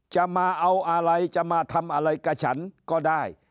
จะมาเอาอะไรจะมาทำอะไรกับฉันก็ได้